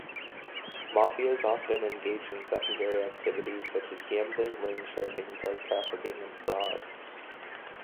Mafias often engage in secondary activities such as gambling, loan sharking, drug-trafficking, and fraud.